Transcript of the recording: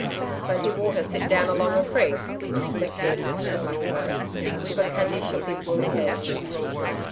'Plenty water sit down along a creek?' McKeith asked the black boy. But Cudgee shook his woolly head.